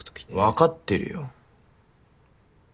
わかってるよ。